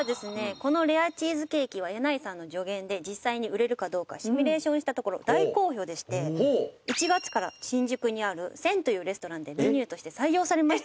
このレアチーズケーキは箭内さんの助言で実際に売れるかどうかシミュレーションしたところ大好評でして１月から新宿にある饌というレストランでメニューとして採用されました。